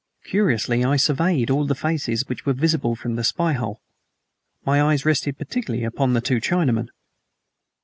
Curiously I surveyed all these faces which were visible from the spy hole. My eyes rested particularly upon the two Chinamen.